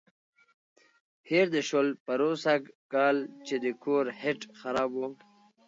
هېر دې شول پروسږ کال چې د کور هیټ خراب و.